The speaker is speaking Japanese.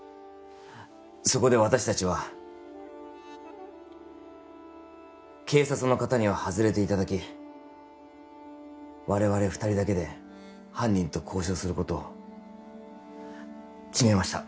そこで私達は警察の方には外れていただき我々二人だけで犯人と交渉することを決めました